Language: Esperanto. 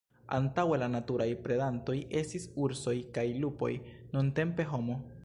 Antaŭe la naturaj predantoj estis ursoj kaj lupoj; nuntempe homo.